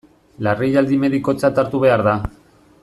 Larrialdi medikotzat hartu behar da.